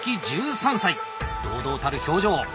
堂々たる表情。